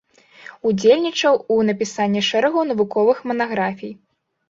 Удзельнічаў у напісанні шэрагу навуковых манаграфій.